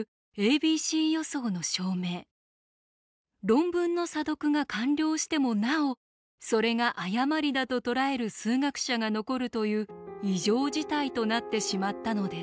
論文の査読が完了してもなおそれが誤りだと捉える数学者が残るという異常事態となってしまったのです。